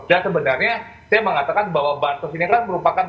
dan sebenarnya saya mengatakan bahwa bahan sos ini kan merupakan